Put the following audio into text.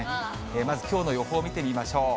まずきょうの予報見てみましょう。